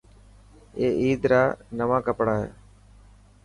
اي عيد را نوان ڪپڙا هي.